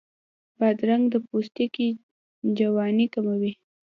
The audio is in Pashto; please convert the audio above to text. بادرنګ د پوستکي جوانۍ کموي.